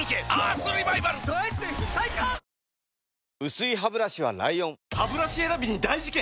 薄いハブラシは ＬＩＯＮハブラシ選びに大事件！